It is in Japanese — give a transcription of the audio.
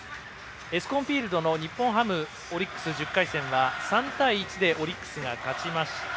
エスコンフィールドの日本ハム対オリックスは１０回戦は、３対１でオリックスが勝ちました。